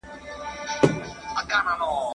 سالم ذهن ناامیدي نه جوړوي.